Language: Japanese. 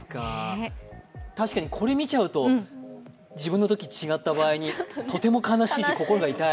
確かにこれ見ちゃうと、自分のとき違った場合にとても悲しいし、心が痛い。